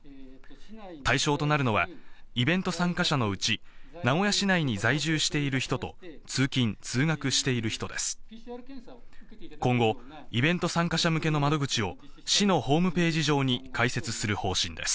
対象となるのは、イベント参加者のうち、名古屋市内に在住している人と、通勤・通学している人です。